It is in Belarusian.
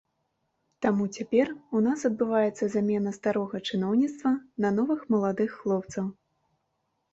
Таму цяпер у нас адбываецца замена старога чыноўніцтва на новых маладых хлопцаў.